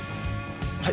はい？